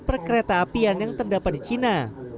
per kereta apian yang terdapat di cina